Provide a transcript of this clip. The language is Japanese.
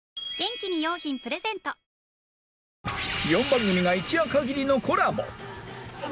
４番組が一夜限りのコラボ！